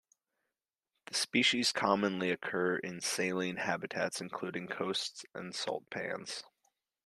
The species commonly occur in saline habitats, including coasts and salt pans.